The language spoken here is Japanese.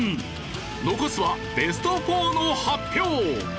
残すはベスト４の発表！